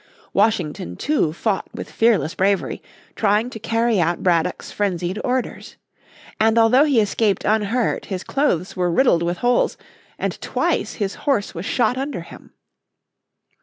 Washington too fought with fearless bravery, trying to carry out Braddock's frenzied orders. And although he escaped unhurt his clothes were riddled with holes, and twice his horse was shot under him.